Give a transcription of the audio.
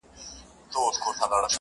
قرآن، انجیل، تلمود، گیتا به په قسم نیسې.